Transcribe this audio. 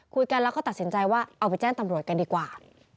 คุยกันแล้วก็ตัดสินใจว่าเอาไปแจ้งตำรวจกันดีกว่า